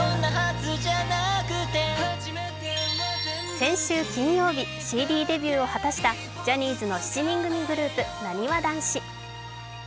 先週金曜日、ＣＤデビューを果たしてたジャニーズの７人組グループ、なにわ男子。